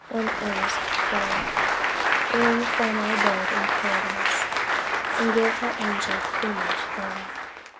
one earnest prayer: Room for my bird in Paradise, And give her angel plumage there!